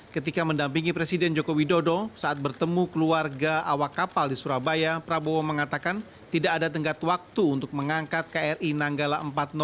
ketika mendampingi presiden joko widodo saat bertemu keluarga awak kapal di surabaya prabowo mengatakan tidak ada tenggat waktu untuk mengangkat kri nanggala empat ratus dua